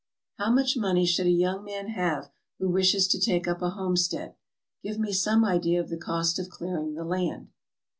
"How much money should a young man have who wishes to take up a homestead? Give me some idea of the cost of clearing the land."